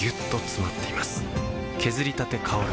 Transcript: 削りたて香る